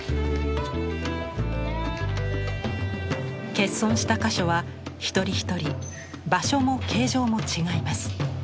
欠損した箇所は一人一人場所も形状も違います。